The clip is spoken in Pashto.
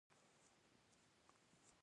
د هېواد په منظره کې ولایتونه ښکاره دي.